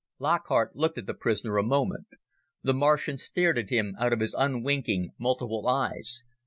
Lockhart looked at the prisoner a moment. The Martian stared at him out of his unwinking multiple eyes.